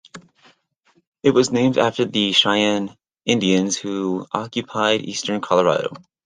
It was named after the Cheyenne Indians who occupied eastern Colorado.